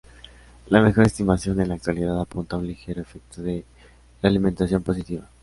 La mejor estimación en la actualidad apunta a un ligero efecto de realimentación positiva.